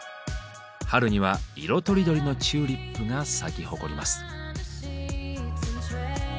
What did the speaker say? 春には色とりどりのチューリップが咲き誇ります。